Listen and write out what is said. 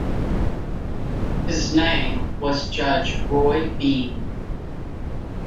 His name was Judge Roy Bean.